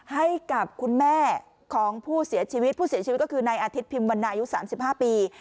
ให้กับคุณแม่ของผู้เสียชีวิตผู้เสียชีวิตก็คือนายอาทิตพิมพ์วันนายุ๓๕ปี